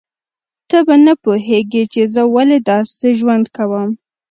ته به نه پوهیږې چې زه ولې داسې ژوند کوم